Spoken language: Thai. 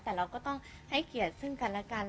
แต่เราก็ต้องให้เกียรติซึ่งกันและกัน